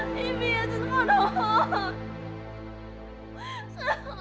พี่เบียฉันขอโทษ